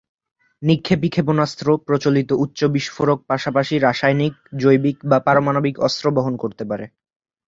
নিক্ষেপী ক্ষেপণাস্ত্র প্রচলিত উচ্চ বিস্ফোরক পাশাপাশি রাসায়নিক, জৈবিক বা পারমাণবিক অস্ত্র বহন করতে পারে।